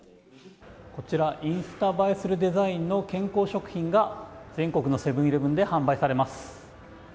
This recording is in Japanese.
こちらインスタ映えするデザインの健康食品が全国のセブン‐イレブンで販売されます。